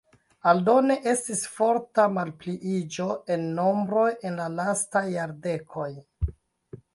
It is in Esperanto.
Aldone estis forta malpliiĝo en nombroj en la lastaj jardekoj.